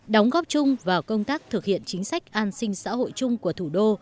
đóng góp chung vào công tác thực hiện chính sách an sinh xã hội chung của thủ đô